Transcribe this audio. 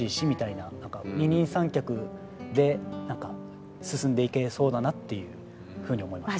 なんか二人三脚で進んでいけそうだなっていう風に思いました。